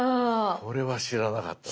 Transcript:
これは知らなかったぞ。